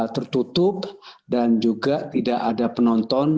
tertutup dan juga tidak ada penonton